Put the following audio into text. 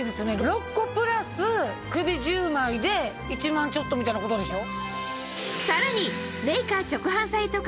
６個プラス首１０枚で１万ちょっとみたいなことでしょ。